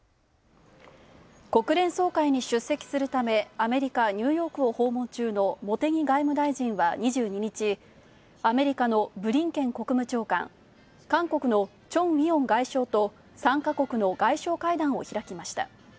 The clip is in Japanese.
国連総会に出席するためアメリカ・ニューヨークを訪問中の茂木外務大臣は２２日、アメリカのブリンケン国務長官、韓国のチョン・ウィヨン外相と３か国の外相会談を開きました。